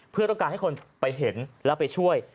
เพื่อต้องการให้คนไปเห็นแล้วไปช่วย